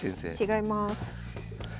違います。